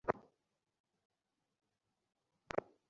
আমার ভয় লাগছে!